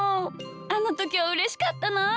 あのときはうれしかったなあ。